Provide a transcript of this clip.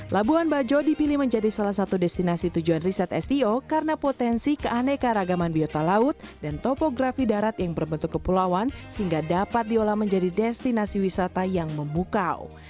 labuan bajo dipilih menjadi salah satu destinasi tujuan riset sto karena potensi keanekaragaman biota laut dan topografi darat yang berbentuk kepulauan sehingga dapat diolah menjadi destinasi wisata yang memukau